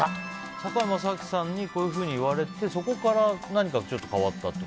堺正章さんにこういうふうに言われてそこから何かちょっと変わったと。